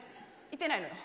いてないのよ。